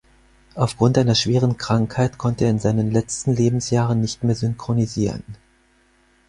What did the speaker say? Aufgrund einer schweren Krankheit konnte er in seinen letzten Lebensjahren nicht mehr synchronisieren.